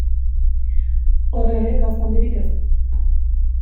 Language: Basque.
Hor ere, gauza handirik ez.